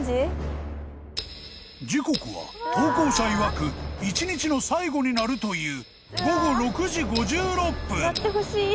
［時刻は投稿者いわく一日の最後に鳴るという］